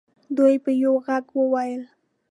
دوی په یوه ږغ وویل.